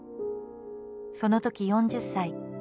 そのとき４０歳。